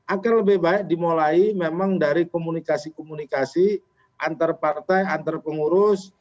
akan lebih baik dimulai memang dari komunikasi komunikasi antar partai antar pengurus